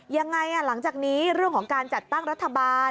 หลังจากนี้เรื่องของการจัดตั้งรัฐบาล